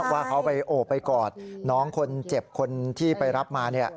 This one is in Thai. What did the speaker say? ว่าเขาไปโอบไปกอดน้องคนเจ็บคนที่ไปรับมา